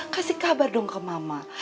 kasih kabar dong ke mama